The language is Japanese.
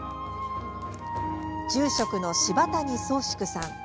住職の柴谷宗叔さん